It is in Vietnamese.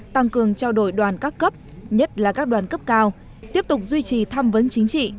tăng cường trao đổi đoàn các cấp nhất là các đoàn cấp cao tiếp tục duy trì thăm vấn chính trị